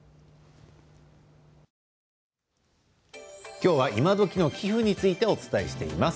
きょうは今どきの寄付についてお伝えしています。